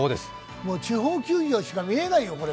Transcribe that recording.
地方球場しか見えないよ、これ。